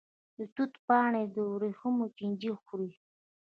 د توت پاڼې د وریښمو چینجی خوري.